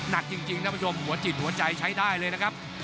หนักจริงท่านผู้ชมหัวจิตหัวใจใช้ได้เลยนะครับ